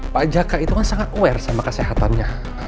pajakak itu kan sangat aware sama kesehatannya